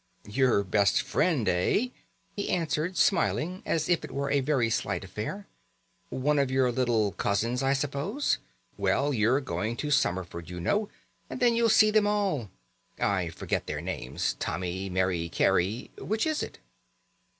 "Your best friend, eh?" he answered, smiling as if it were a very slight affair. "One of your little cousins, I suppose? Well, you're going to Summerford, you know, and then you'll see them all. I forget their names. Tommie, Mary, Carry, which is it?"